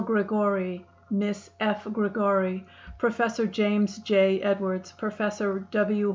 Gregori, Miss F. Gregori, Professor James J. Edwards, Professor W.